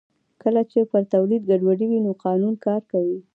کله چې پر تولید ګډوډي وي نو قانون کار کوي